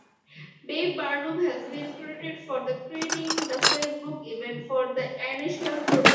Bev Barnum has been credited for creating the Facebook event for the initial protest.